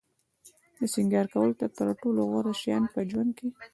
د سینگار کولو تر ټولو غوره شیان په ژوند کې.